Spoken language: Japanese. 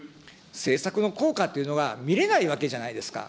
政策の効果というのは、見れないわけじゃないですか。